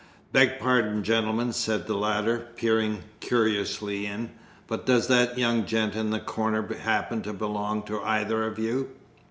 "Beg pardon, gentlemen," said the latter, peering curiously in, "but does that young gent in the corner happen to belong to either of you?"